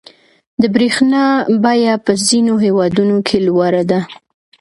• د برېښنا بیه په ځینو هېوادونو کې لوړه ده.